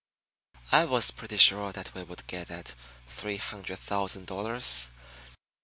I was pretty sure we would get that three hundred thousand dollars.